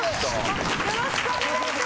よろしくお願いします。